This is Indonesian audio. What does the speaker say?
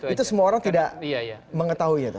itu semua orang tidak mengetahuinya